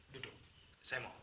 duduk saya mohon